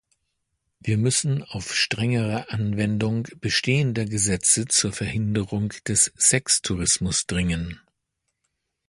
Wir müssen auf strengere Anwendung bestehender Gesetze zur Verhinderung des Sextourimus dringen.